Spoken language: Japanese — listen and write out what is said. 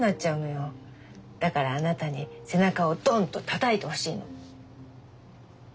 だからあなたに背中をドンとたたいてほしいの。